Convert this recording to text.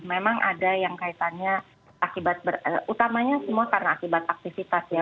memang ada yang kaitannya akibat utamanya semua karena akibat aktivitas ya